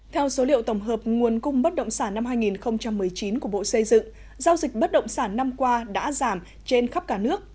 theo số liệu tổng hợp nguồn cung bất động sản năm hai nghìn một mươi chín của bộ xây dựng giao dịch bất động sản năm qua đã giảm trên khắp cả nước